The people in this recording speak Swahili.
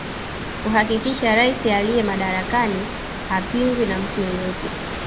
Kuhakikisha rais aliye madarakani hapingwi na mtu yeyote